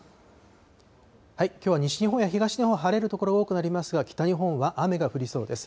きょうは西日本や東日本、晴れる所、多くなりますが、北日本は雨が降りそうです。